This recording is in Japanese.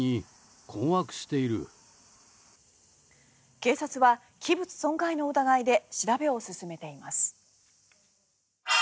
警察は器物損壊の疑いで調べを進めています。